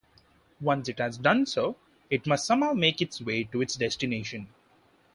Once it has done so, it must somehow make its way to its destination.